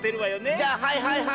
じゃあはいはいはい！